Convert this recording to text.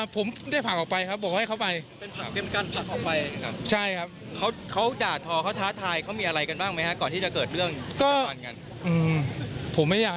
ผมได้ผ่ากออกไปครับบอกว่าแล้วให้เค้าไป